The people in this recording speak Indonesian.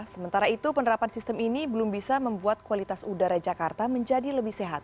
sementara itu penerapan sistem ini belum bisa membuat kualitas udara jakarta menjadi lebih sehat